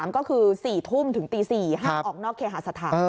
ก็คือ๔ทุ่มถึงตี๔ห้ามออกนอกเคหาสถาน